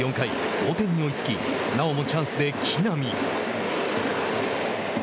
同点に追いつきなおもチャンスで木浪。